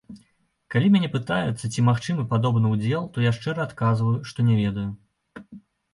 Калі мяне пытаюцца, ці магчымы падобны ўдзел, то я шчыра адказваю, што не ведаю.